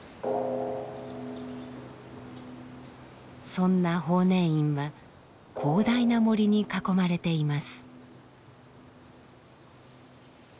そんな法然院は広大な森に囲まれています。